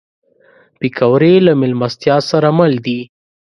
پکورې له میلمستیا سره مل دي